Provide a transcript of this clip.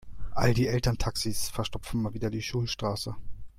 All die Elterntaxis verstopfen mal wieder die Schulstraße.